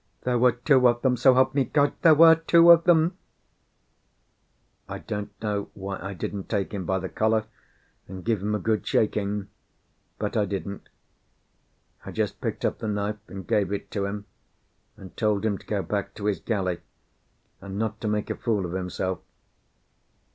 "There were two of them! So help me God, there were two of them!" I don't know why I didn't take him by the collar, and give him a good shaking; but I didn't. I just picked up the knife and gave it to him, and told him to go back to his galley, and not to make a fool of himself.